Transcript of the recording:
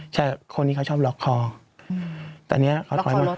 ใช่คนนี้เขาชอบล็อคคอล็อคคอลด